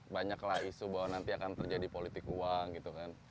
banyaklah isu bahwa nanti akan terjadi politik uang gitu kan